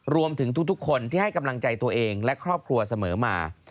รวมถึงทุกคนที่ให้กำลังใจตัวเองและครอบครัวเสมอมา